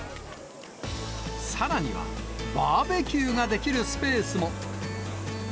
さらには、バーベキューができるスペースも。